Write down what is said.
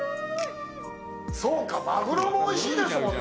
そうか、マグロもおいしいですもんね。